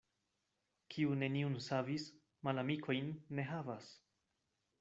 Kiu neniun savis, malamikojn ne havas.